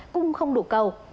cung không đủ cầu